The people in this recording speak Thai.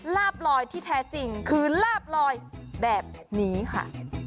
ลาบลอยที่แท้จริงคือลาบลอยแบบนี้ค่ะ